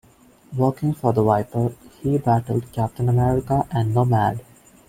Working for the Viper, he battled Captain America and Nomad.